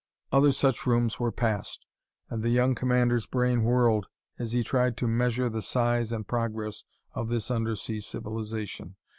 Other such rooms were passed, and the young commander's brain whirled as he tried to measure the size and progress of this undersea civilization.